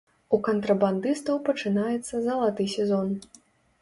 У кантрабандыстаў пачынаецца залаты сезон.